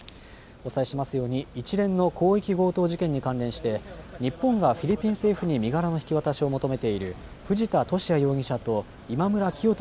お伝えしていますように一連の広域強盗事件に関連して日本がフィリピン政府に身柄の引き渡しを求めている藤田聖也容疑者と今村磨人